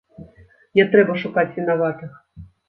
Не трэба шукаць вінаватых.